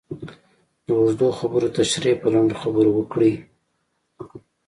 د اوږدو خبرو تشرېح په لنډو خبرو وکړئ.